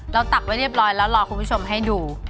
ตักไว้เรียบร้อยแล้วรอคุณผู้ชมให้ดู